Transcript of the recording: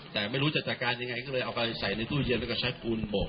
แต่ไม่รู้จะจัดการยังไงก็เลยเอาไปใส่ในตู้เย็นแล้วก็ใช้ปูนบก